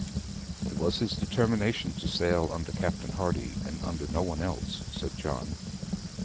'It was his determination to sail under Captain Hardy, and under no one else,' said John.